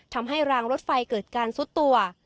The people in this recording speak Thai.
ทำให้รางรถไฟเกิดการซุดตัว